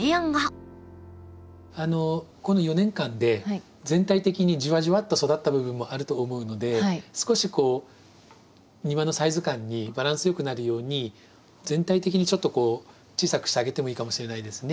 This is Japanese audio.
この４年間で全体的にじわじわっと育った部分もあると思うので少しこう庭のサイズ感にバランスよくなるように全体的にちょっと小さくしてあげてもいいかもしれないですね。